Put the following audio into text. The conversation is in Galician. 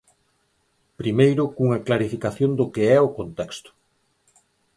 Primeiro cunha clarificación do que é o contexto.